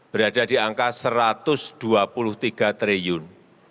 berada di angka rp satu ratus dua puluh tiga triliun